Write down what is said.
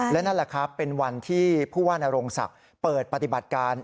และนั่นแหละครับเป็นวันที่ผู้ว่านโรงศักดิ์เปิดปฏิบัติการ